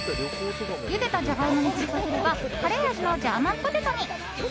ゆでたジャガイモに振りかければカレー味のジャーマンポテトに。